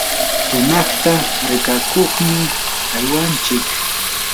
tunayta rikakuqmi aywanchik.